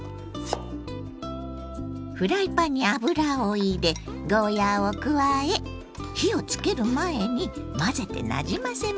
フライパンに油を入れゴーヤーを加え火をつける前に混ぜてなじませます。